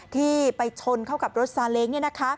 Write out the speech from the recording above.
ที่ไปชนเข้ากับรถซาเล้ง